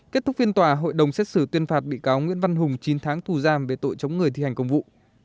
kết thúc phiên tòa hội đồng xét xử tuyên phạt bị cáo nguyễn văn hùng chín tháng thù giam về tội chống người thi hành công vụ